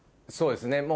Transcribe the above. そうですね